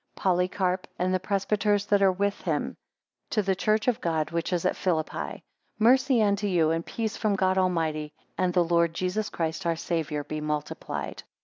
POLYCARP, and the presbyters that are with him, to the church of God which is at Philippi; mercy unto you, and peace from God Almighty, and the Lord Jesus Christ our Saviour, be multiplied.